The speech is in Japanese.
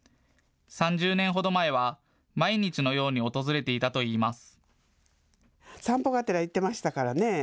３０年ほど前は毎日のように訪れていたといいます。